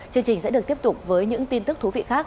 chương trình sẽ được tiếp tục với những tin tức thú vị khác